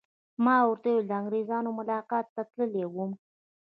ما ورته وویل: د انګریزانو ملاقات ته تللی وم.